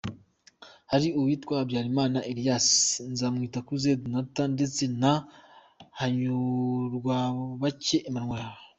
Hari n’uwitwa Habyarimana Elias, Nzamwitakuze Donat ndetse na Hanyurwabake Emmanuel.